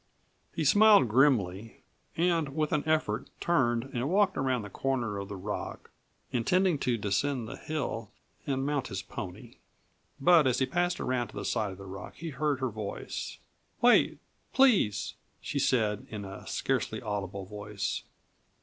He smiled grimly and with an effort turned and walked around the corner of the rock, intending to descend the hill and mount his pony. But as he passed around to the side of the rock he heard her voice: "Wait, please," she said in a scarcely audible voice.